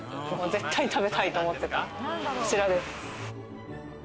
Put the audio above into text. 絶対食べたいと思ってた、こちらです。